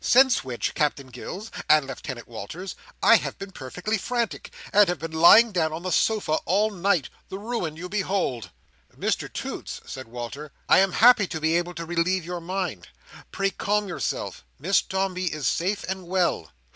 Since which, Captain Gills—and Lieutenant Walters—I have been perfectly frantic, and have been lying down on the sofa all night, the Ruin you behold." "Mr Toots," said Walter, "I am happy to be able to relieve your mind. Pray calm yourself. Miss Dombey is safe and well."